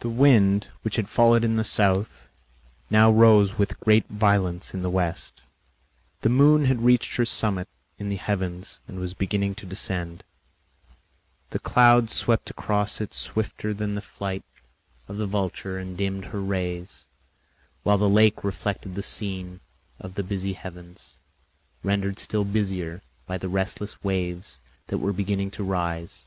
The wind, which had fallen in the south, now rose with great violence in the west. The moon had reached her summit in the heavens and was beginning to descend; the clouds swept across it swifter than the flight of the vulture and dimmed her rays, while the lake reflected the scene of the busy heavens, rendered still busier by the restless waves that were beginning to rise.